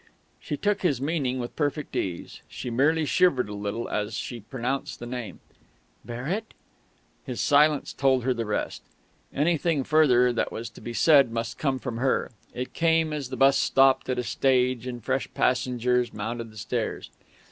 She took his meaning with perfect ease. She merely shivered a little as she pronounced the name. "Barrett?" His silence told her the rest. Anything further that was to be said must come from her. It came as the bus stopped at a stage and fresh passengers mounted the stairs.